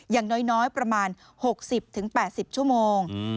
อย่างน้อยประมาณ๖๐๘๐ชั่วโมง